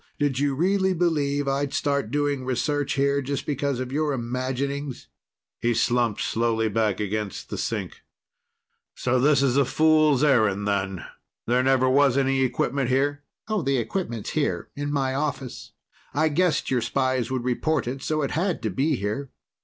Did you really believe I'd start doing research here just because of your imaginings?" He slumped slowly back against the sink. "So this is a fool's errand, then? There never was any equipment here?" "The equipment's here in my office. I guessed your spies would report it, so it had to be here.